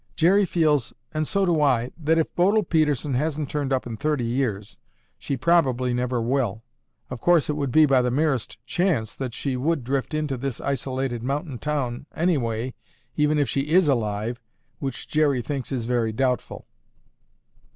Jerry feels, and so do I, that if Bodil Pedersen hasn't turned up in thirty years, she probably never will. Of course it would be by the merest chance that she would drift into this isolated mountain town, anyway, even if she is alive, which Jerry thinks is very doubtful."